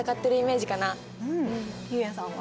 悠也さんは？